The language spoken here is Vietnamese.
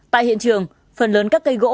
tại hiện trường phần lớn các cây gỗ